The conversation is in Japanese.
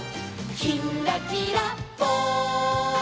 「きんらきらぽん」